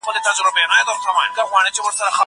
ليکنې د زده کوونکي له خوا کيږي!؟